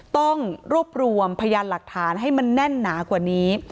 ต้องรวบรวมพยานหลักฐานให้มันแน่นหนากว่านี้